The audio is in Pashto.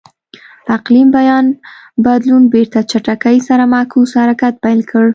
اقلیم بیا بدلون بېرته چټکۍ سره معکوس حرکت پیل کړ.